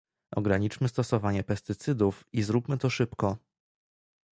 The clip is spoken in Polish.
ograniczmy stosowanie pestycydów i zróbmy to szybko